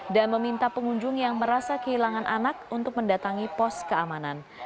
dan meminta pengunjung yang merasa kehilangan anak untuk mendatangi pos keamanan